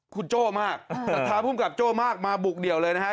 คุณโจ่มากศรษฐาภูมิกับโจ้มากมาบุกเดียวเลยแบบนั้น